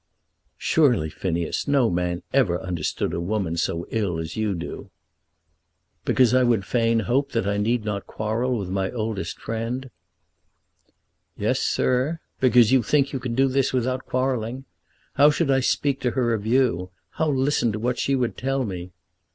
"Surely, Phineas, no man ever understood a woman so ill as you do." "Because I would fain hope that I need not quarrel with my oldest friend?" "Yes, sir; because you think you can do this without quarrelling. How should I speak to her of you; how listen to what she would tell me?